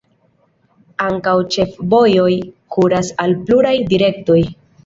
Ankaŭ ĉefvojoj kuras al pluraj direktoj.